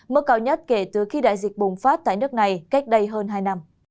mức cao nhất kể từ khi đại dịch bùng phát tại nước này cách đây hơn hai năm